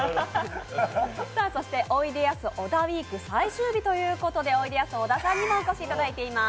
おいでやす小田ウィーク最終日ということで、おいでやす小田さんにもお越しいただいています。